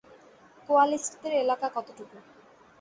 কোয়ালিস্টদের এলাকা কতটুকু?